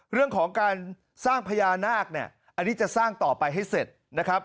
เรื่องของการสร้างพญานาคเนี่ยอันนี้จะสร้างต่อไปให้เสร็จนะครับ